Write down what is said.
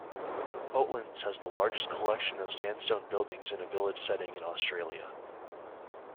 Oatlands has the largest collection of sandstone buildings in a village setting in Australia.